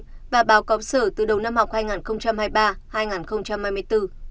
trường đã xây dựng và báo cáo sở từ đầu năm học hai nghìn hai mươi ba hai nghìn hai mươi bốn